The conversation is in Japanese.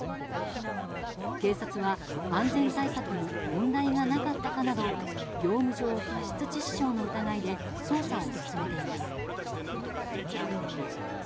警察は安全対策に問題がなかったかなど業務上過失致死傷の疑いで捜査を進めています。